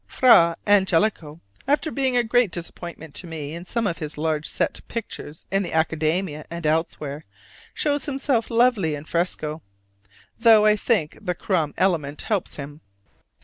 Fra Angelico, after being a great disappointment to me in some of his large set pictures in the Academia and elsewhere, shows himself lovely in fresco (though I think the "crumb" element helps him).